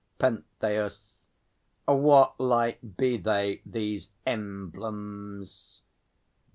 PENTHEUS. What like be they, these emblems?